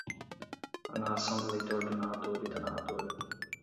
A narração do leitor do narrador e da narradora